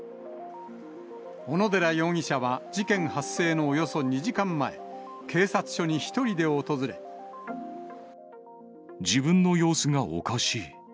小野寺容疑者は事件発生のおよそ２時間前、自分の様子がおかしい。